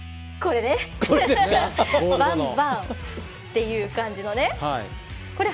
バンバン、フーという感じのね。